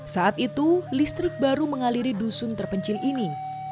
saat itu listrik baru mengaliri dusun terpencil ini